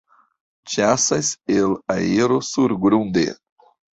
Ĉasas el aero surgrunde.